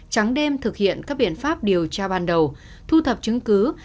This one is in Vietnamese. trắng đêm thực hiện các biện pháp điều tra bắn